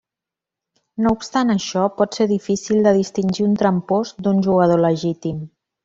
No obstant això, pot ser difícil de distingir un trampós d'un jugador legítim.